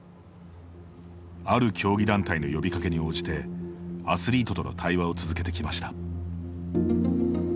ある競技団体の呼びかけに応じてアスリートとの対話を続けてきました。